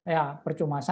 ya percuma saja